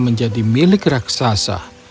menjadi milik raksasa